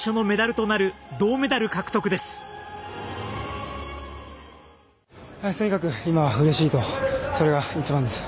とにかく今はうれしいとそれが一番です。